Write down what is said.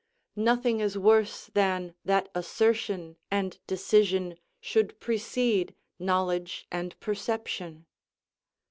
["Nothing is worse than that assertion and decision should precede knowledge and perception."